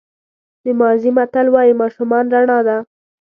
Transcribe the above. د مازی متل وایي ماشومان رڼا ده.